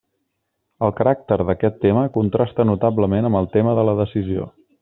El caràcter d'aquest tema contrasta notablement amb el del tema de la decisió.